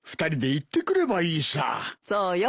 そうよ